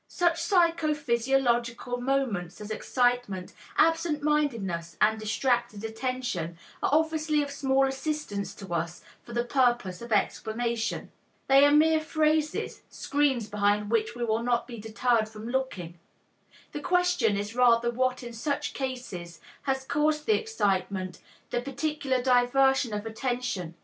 Such psycho physiological moments as excitement, absent mindedness and distracted attention, are obviously of small assistance to us for the purpose of explanation. They are mere phrases, screens behind which we will not be deterred from looking. The question is rather what in such cases has caused the excitement, the particular diversion of attention.